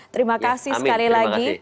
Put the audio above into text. terima kasih sekali lagi